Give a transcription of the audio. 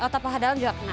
otot paha dalam juga kena